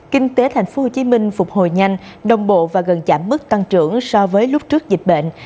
kinh tế tp hcm phục hồi nhanh đồng bộ và gần giảm mức tăng trưởng so với lúc trước dịch bệnh